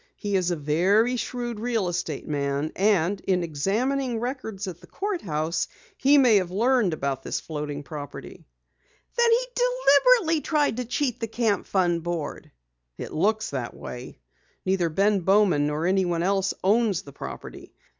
He is a very shrewd real estate man, and in examining records at the court house, he may have learned about this floating property." "Then he deliberately tried to cheat the Camp Fund board!" "It looks that way. Neither Ben Bowman nor anyone else owns the property.